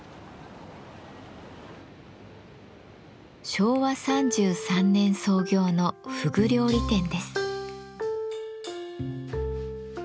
昭和３３年創業のふぐ料理店です。